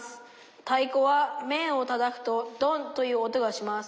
太鼓は面をたたくと『ドン』という音がします。